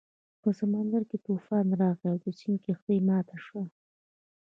په سمندر کې طوفان راغی او د سید کښتۍ ماته شوه.